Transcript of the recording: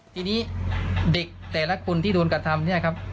ทีนี้เด็กแต่ละคนที่โดนกระทำ